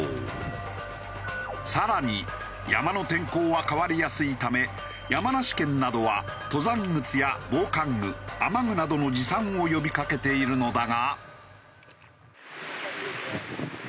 更に山の天候は変わりやすいため山梨県などは登山靴や防寒具雨具などの持参を呼びかけているのだが。